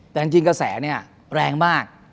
แต่จริงกระแสเนี่ยแรงมาก